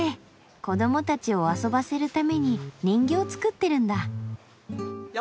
子どもたちを遊ばせるために人形作ってるんだ。